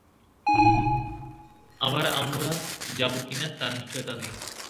আবার আলমোড়া যাব কিনা, তার নিশ্চয়তা নেই।